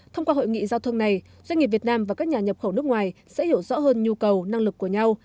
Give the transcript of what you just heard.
thông qua hội nghị giao thương này doanh nghiệp việt nam và các nhà nhập khẩu nước ngoài sẽ hiểu rõ hơn nhu cầu năng lực của nhau